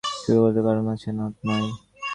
ভেবে দেখতে গেলে তার যে খুব গুরুতর কোনো কারণ আছে তা নয়।